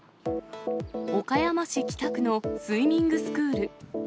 岡山市北区のスイミングスクール。